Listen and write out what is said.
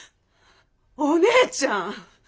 お姉ちゃん。